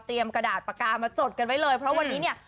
กระดาษปากกามาจดกันไว้เลยเพราะวันนี้เนี่ย